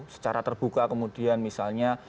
secara terbuka kemudian misalnya